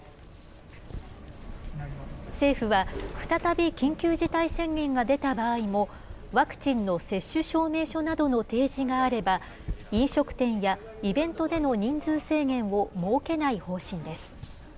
政府は再び緊急事態宣言が出た場合も、ワクチンの接種証明書などの提示があれば、飲食店やイベントでの人数制限を設けない方針です。